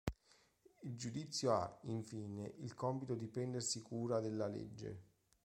Il giudizio ha, infine, il compito di prendersi cura della legge.